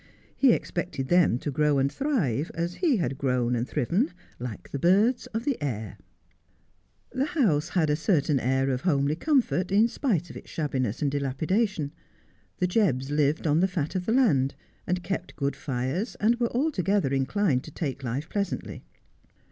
He expected them to grow and thrive, as he had grown and thriven, like the birds of the air The house had a certain air of homely comfort, in spite of its shabbiness and dilapidation. The Jebbs lived on the fat of the land, and kept good fires, and were altogether inclined to take life pleasantly.